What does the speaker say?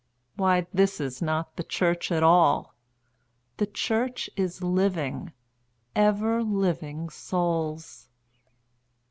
Why this is not the church at all—the Church is living, ever living Souls.")